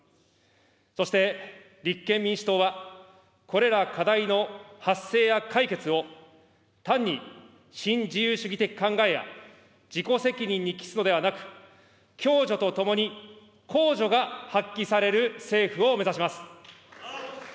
そして立憲民主党は、これら課題の発生や解決を、単に新自由主義的考えや自己責任に帰すのではなく、共助とともに公助が発揮される政府を目指します。